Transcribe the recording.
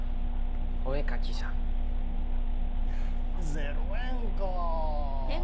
０円か。